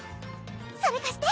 それかして！